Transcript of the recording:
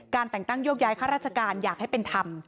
แต่งตั้งโยกย้ายข้าราชการอยากให้เป็นธรรม